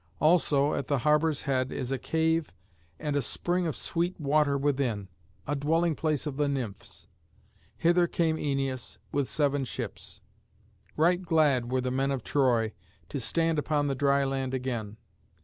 Also at the harbour's head is a cave and a spring of sweet water within, a dwelling place of the Nymphs. Hither came Æneas, with seven ships. Right glad were the men of Troy to stand upon the dry land again.